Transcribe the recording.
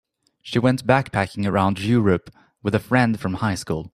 She went backpacking around Europe with a friend from high school.